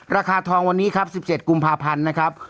ราคาทองวันนี้ครับ๑๗กุมภาพันธ์นะครับ